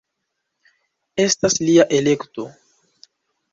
Estas lia elekto.